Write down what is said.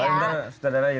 nggak ada darah darah juga ya